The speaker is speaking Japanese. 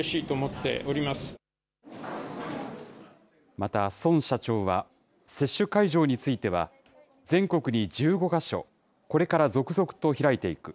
また、孫社長は、接種会場については、全国に１５か所、これから続々と開いていく。